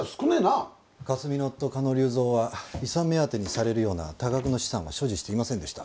かすみの夫加納隆三は遺産目当てにされるような多額の資産は所持していませんでした。